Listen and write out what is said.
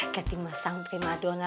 kety masang prima doner